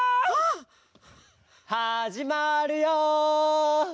はじまるよ！